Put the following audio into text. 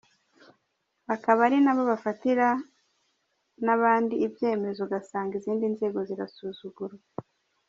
Akaba aribo bafatira n’abandi ibyemezo ugasanga izindi nzego zirasuzugurwa.